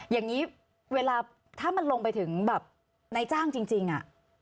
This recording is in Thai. อย่างนี้เวลาถ้ามันลงไปถึงแบบนายจ้างจริงอะ